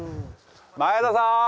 前田さん！